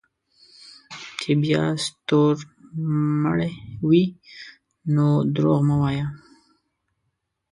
چې بیا ستورمړے وې نو دروغ مه وایه